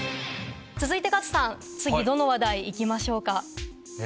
続いてカズさん、次、どの話題いきましょうか。